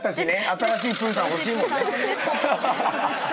新しいプーさん欲しいもんね。